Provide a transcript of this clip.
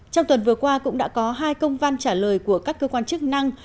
trong tuần vừa qua cũng đã có hai công văn trả lời của các cơ quan chức năng